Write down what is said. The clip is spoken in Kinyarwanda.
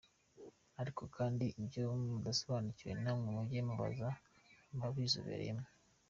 Ariko kandi ibyo mudasobanukiwe namwe mujye mubaza ababizobereyemo.